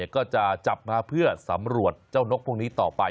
ก็จะจับมาเพื่อสำรวจเจ้านกพวกนี้ต่อไป